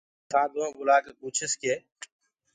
سآڌوآئوٚنٚ بُلآڪي پوٚڇس۔ ڪي